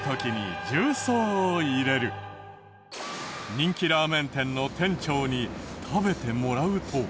人気ラーメン店の店長に食べてもらうと。